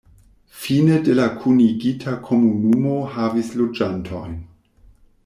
Fine de la kunigita komunumo havis loĝantojn.